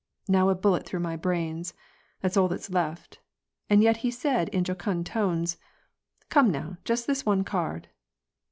" Now a bullet through my brains — that's all that's left," and yet he said in a jocund tone :" Come now, just this one card